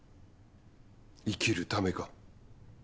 生きるためか。